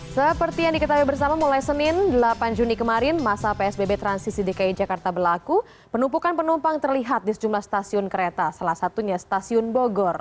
seperti yang diketahui bersama mulai senin delapan juni kemarin masa psbb transisi dki jakarta berlaku penumpukan penumpang terlihat di sejumlah stasiun kereta salah satunya stasiun bogor